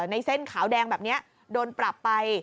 ในเส้นขาวแดงแบบนี้โดนปรับไป